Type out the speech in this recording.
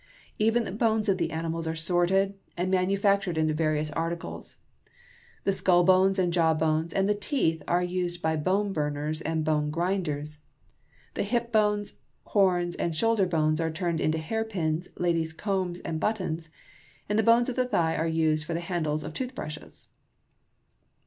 Even the bones of the animals are sorted, and manufac tured into various articles. The skull bones, the jawbones, and the teeth are used by bone burners and bone grinders ; BUSINESS AND PLEASURE. 233 the hip bones, horns, and shoulder bones are turned into hairpins, ladies' combs, and buttons ; and the bones of the thigh are used for the handles of toothbrushes.